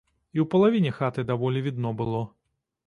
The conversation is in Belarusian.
І ў палавіне хаты даволі відно было.